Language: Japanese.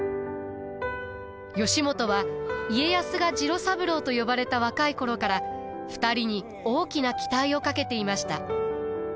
義元は家康が次郎三郎と呼ばれた若い頃から２人に大きな期待をかけていました。